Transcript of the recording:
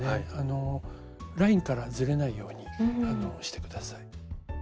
ラインからずれないようにして下さい。